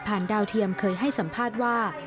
ดาวเทียมเคยให้สัมภาษณ์ว่า